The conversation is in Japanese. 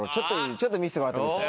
ちょっと見せてもらっていいですか？